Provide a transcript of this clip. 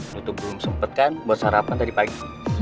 lo tuh belum sempet kan buat sarapan tadi pagi